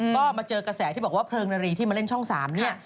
ก็มาเจอกระแสที่บอกว่าเพลิงนารีที่มาเล่นช่อง๓เนี่ย